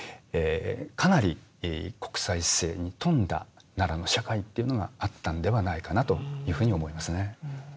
かなり国際性に富んだ奈良の社会っていうのがあったんではないかなというふうに思いますね。